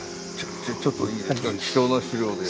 ちょっといいですか？